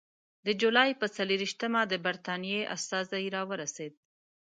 د جولای پر څلېرویشتمه د برټانیې استازی راورسېد.